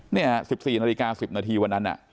นี่๑๔นาฬิกา๑๐นาทีวันนั้น